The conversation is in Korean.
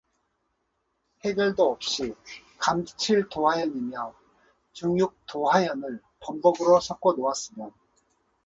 해결도 없이, 감칠도화현이며 증육도화현을 범벅으로 섞어 놓았으면